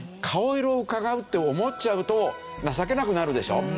顔色をうかがうって思っちゃうと情けなくなるでしょ？